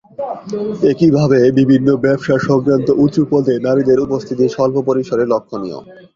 একইভাবে বিভিন্ন ব্যবসা সংক্রান্ত উঁচু পদে নারীদের উপস্থিতি স্বল্প পরিসরে লক্ষণীয়।